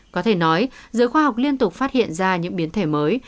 có thể nói giới khoa học liên tục phát hiện ra những biến thể mới